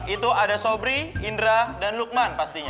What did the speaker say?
itu ada sobri indra dan lukman pastinya